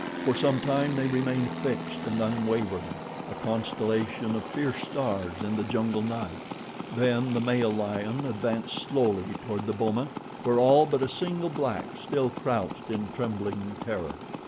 For some time they remained fixed and unwavering a constellation of fierce stars in the jungle night then the male lion advanced slowly toward the boma, where all but a single black still crouched in trembling terror.